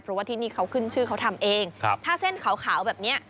เพราะว่าที่นี่เขาขึ้นชื่อเขาทำเองถ้าเส้นขาวแบบนี้